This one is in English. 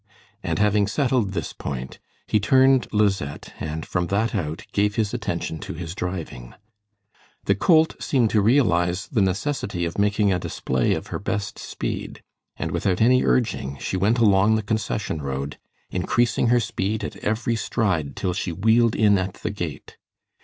And having settled this point, he turned Lisette and from that out gave his attention to his driving. The colt seemed to realize the necessity of making a display of her best speed, and without any urging, she went along the concession road, increasing her speed at every stride till she wheeled in at the gate.